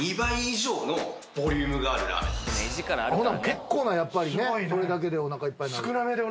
結構なやっぱりねそれだけでお腹いっぱいになる。